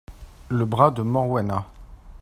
le bras de Morwena.